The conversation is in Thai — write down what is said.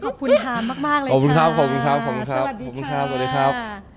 ขอบคุณค่ะมากเลยค่ะขอบคุณครับขอบคุณครับขอบคุณครับสวัสดีค่ะ